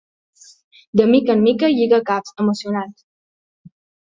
De mica en mica lliga caps, emocionat.